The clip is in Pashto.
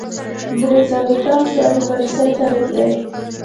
درې څلویښتم سوال د پالیسۍ تعریف دی.